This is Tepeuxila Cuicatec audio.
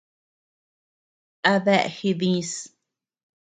¿A dea jidis?